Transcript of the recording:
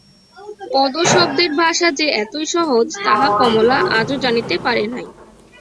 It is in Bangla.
পদশব্দের ভাষা যে এতই সহজ তাহা কমলা আজও জানিতে পারে নাই।